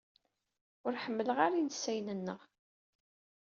Ur ḥemmleɣ ara insayen-nneɣ.